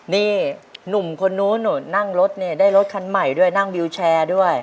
นี่หนุ่มคนนู้นนั่งรถเนี่ยได้รถคันใหม่ด้วยนั่งวิวแชร์ด้วย